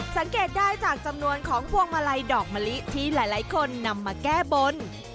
สังเกตได้จากจำนวนของพวงมาลัยดอกมะลิที่หลายคนนำมาแก้บน